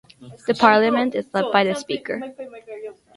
The Parliament is led by the Speaker.